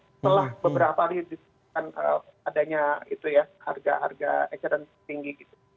setelah beberapa hari adanya harga harga eksternal tinggi